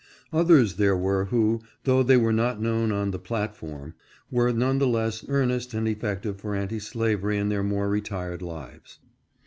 Others there were who, though they were not known on tfee platform, were none the less earnest and effective for anti slavery in their more retired lives.